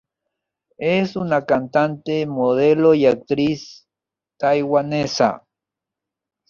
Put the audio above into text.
Es una cantante, modelo y actriz taiwanesa.